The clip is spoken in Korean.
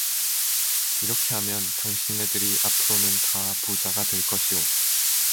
이렇게 하면 당신네들이 앞으로는 다 부자가 될 것이오.